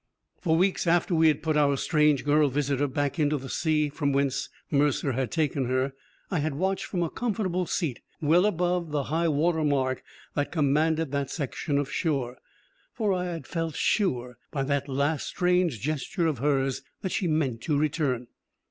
For weeks after we had put our strange girl visitor back into the sea from whence Mercer had taken her, I had watched from a comfortable seat well above the high water mark that commanded that section of shore. For I had felt sure by that last strange gesture of hers that she meant to return.